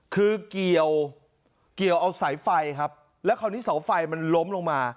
คือเกี่ยวเอาสายไฟครับแล้วคราวนี้เสาไฟมันล้มลงมา